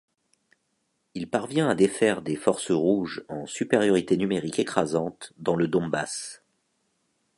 Il parvient à défaire des forces rouges en supériorité numérique écrasante dans le Donbass.